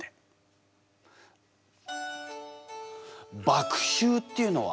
「麦秋」っていうのは？